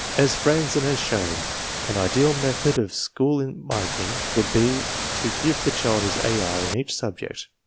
As Franzen has shown, an ideal method of school marking would be to give the child his AR in each sub ject.